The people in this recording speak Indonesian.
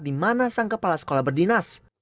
di mana sang kepala sekolah berdinas